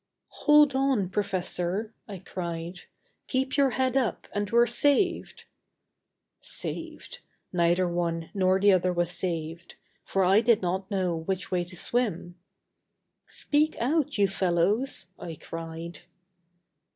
"Hold on, professor," I cried; "keep your head up and we're saved!" Saved! neither one nor the other was saved. For I did not know which way to swim. "Speak out, you fellows!" I cried.